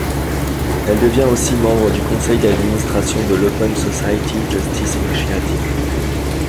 Elle devient aussi membre du conseil d'administration de l'Open Society Justice Initiative.